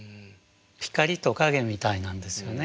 光と影みたいなんですよね